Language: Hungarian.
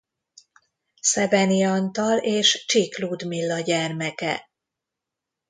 Szebeny Antal és Csik Ludmilla gyermeke.